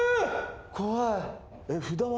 怖い。